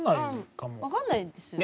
分かんないですよね。